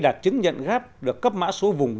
đạt chứng nhận gáp được cấp mã số vùng